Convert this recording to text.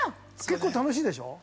結構、楽しいでしょう。